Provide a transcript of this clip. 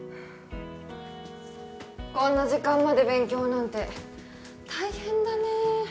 こんな時間まで勉強なんて大変だね